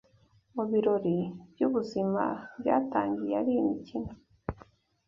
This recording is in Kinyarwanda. Mu birori byubuzima byatangiye ari imikino